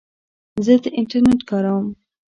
زه د انټرنیټ کاروم.